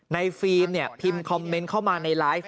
ฟิล์มเนี่ยพิมพ์คอมเมนต์เข้ามาในไลฟ์